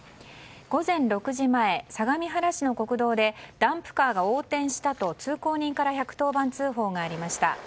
午前６時前相模原市の国道でダンプカーが横転したと通行人から１１０番通報がありました。